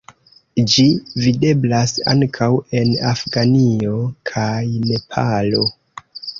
Ĝi videblas ankaŭ en Afganio kaj Nepalo.